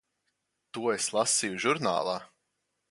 To es lasīju žurnālā.